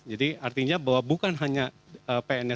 jadi artinya bahwa bukan hanya pns saja yang close contact